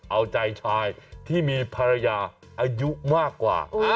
เอาใจชายที่มีภรรยาอายุมากกว่า